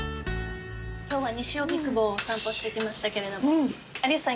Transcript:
今日は西荻窪をお散歩してきましたけれども有吉さん